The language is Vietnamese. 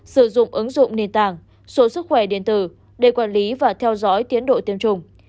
sử dụng ứng dụng nền tảng số sức khỏe điện tử để quản lý và theo dõi tiến độ tiêm chủng